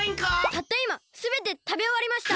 たったいますべてたべおわりました！